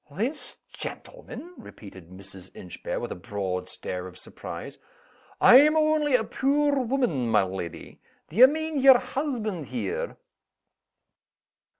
"This gentleman?" repeated Mrs. Inchbare, with a broad stare of surprise. "I'm only a puir woman, my leddy d'ye mean yer husband here?"